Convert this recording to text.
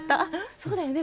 そうだよね。